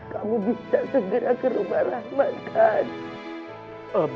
kamu bisa segera ke rumah rahmat kan